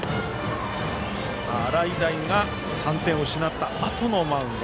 洗平が３点を失ったあとのマウンド。